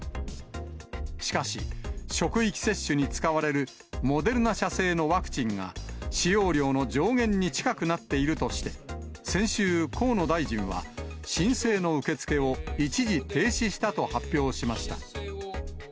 しかし、職域接種に使われるモデルナ社製のワクチンが、使用量の上限に近くなっているとして、先週、河野大臣は、申請の受け付けを一時停止したと発表しました。